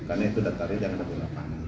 karena itu datanya jangan ada kelepahan